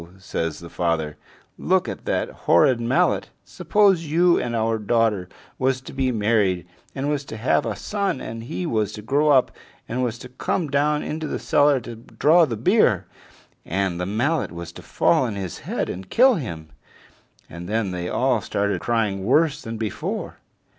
says the father, "look at that horrid mallet! Suppose you and our daughter was to be married, and was to have a son, and he was to grow up, and was to come down into the cellar to draw the beer, and the mallet was to fall on his head and kill him!" And then they all started crying worse than before.